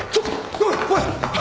おいおい！